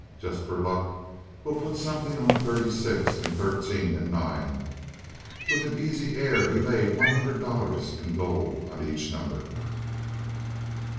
"Just for luck we'll put something on thirty six, and thirteen, and nine." With an easy air he laid one hundred dollars in gold on each number.